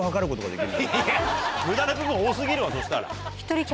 無駄な部分多過ぎるわそしたら。